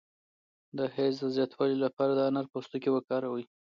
د حیض د زیاتوالي لپاره د انار پوستکی وکاروئ